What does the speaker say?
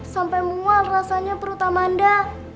sampai mual rasanya perut amanda